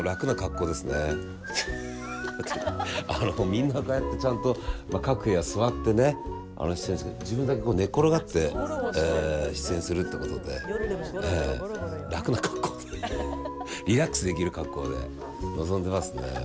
みんな、こうやってちゃんと各部屋座って出演してるんですけど自分だけ寝っ転がって出演するってことで、楽な格好でリラックスできる格好で臨んでますね。